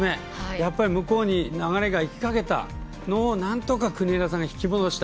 やっぱり向こうに流れがいきかけたのをなんとか国枝さんが引き戻した。